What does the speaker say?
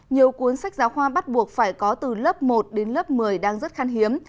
nhiều cuốn sách giáo khoa bắt buộc phải có từ lớp một đến lớp một mươi đang rất khan hiếm